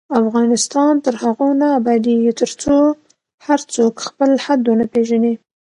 افغانستان تر هغو نه ابادیږي، ترڅو هر څوک خپل حد ونه پیژني.